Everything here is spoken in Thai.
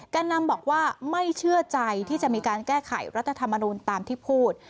การนำบอกว่าไม่เชื่อใจที่จะมีการแก้ไขรัฐธรรมนูลตามที่พูด